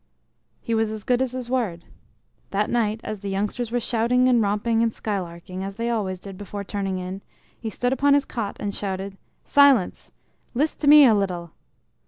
He was as good as his word. That night, as the youngsters were shouting and romping and skylarking, as they always did before turning in, he stood upon his cot and shouted: "Silence! List to me a little!"